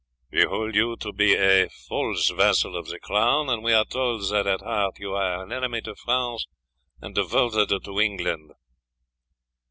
"We hold you to be but a false vassal of the crown, and we are told that at heart you are an enemy to France and devoted to England."